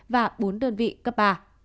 và bốn đơn vị cấp ba